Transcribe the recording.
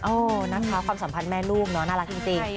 เออนะคะความสัมพันธ์แม่ลูกเนาะน่ารักจริง